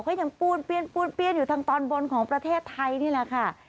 ก็ยังปูนเปี้ยนอยู่ทางตอนบนของประเทศไทยนี่แหละค่ะ